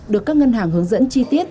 được các ngân hàng hướng dẫn chi tiết